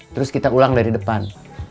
terus kita ulang dari depan